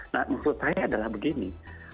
nah menurut saya adalah begini